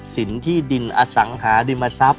สินที่ดินอสังฆาห์ดิมทรัพย์